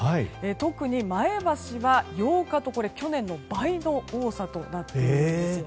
特に前橋は８日と去年の倍の多さとなっているんです。